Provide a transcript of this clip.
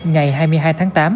ngày hai mươi hai tháng tám